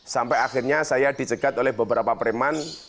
sampai akhirnya saya dicegat oleh beberapa preman